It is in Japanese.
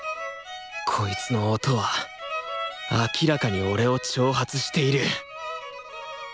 こいつの音は明らかに俺を挑発している！